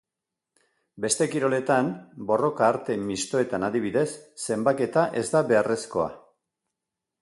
Beste kiroletan, borroka-arte mistoetan adibidez, zenbaketa ez da beharrezkoa.